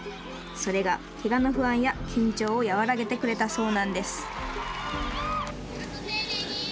それが、けがの不安や緊張を和らげてくれたそうなんです。